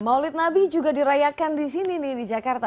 maulid nabi juga dirayakan di sini nih di jakarta